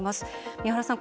三原さん